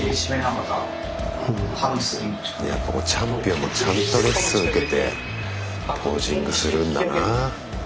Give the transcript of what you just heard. やっぱこうチャンピオンもちゃんとレッスン受けてポージングするんだな。